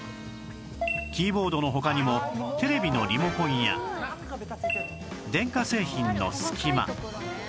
キーボードの他にもテレビのリモコンや電化製品の隙間